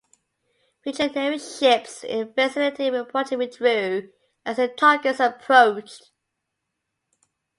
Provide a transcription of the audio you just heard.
Fijian Navy ships in the vicinity reportedly withdrew as the Tongans approached.